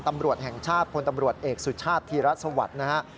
ตำรวจแห่งชาติพลตำรวจเอกสุชาติธีรสวัสดิ์นะฮะ